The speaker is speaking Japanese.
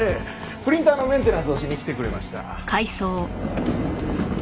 プリンターのメンテナンスをしに来てくれました。